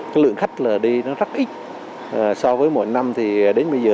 cái lượng khách là đi nó rất ít so với mọi năm thì đến bây giờ